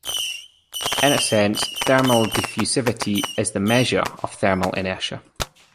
In a sense, thermal diffusivity is the measure of thermal inertia.